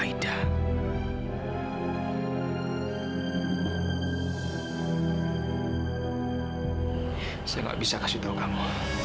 aida aku gak bisa kasih tau kamu